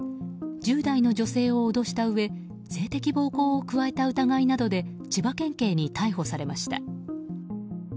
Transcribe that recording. １０代の女性を脅したうえ性的暴行を加えた疑いなどで千葉県警に逮捕されました。